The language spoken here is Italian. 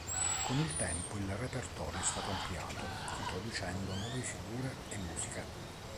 Con il tempo il repertorio è stato ampliato introducendo nuove figure e musiche.